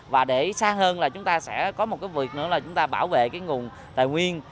và để xa hơn là chúng ta sẽ có một cái việc nữa là chúng ta bảo vệ cái nguồn tài nguyên